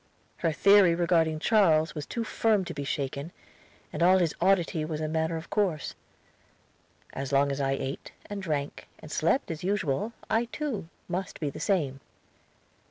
Her theory regarding Charles was too firm to be shaken, and all his oddity was a matter of course. As long as I ate, and drank, and slept as usual, I too must be the same.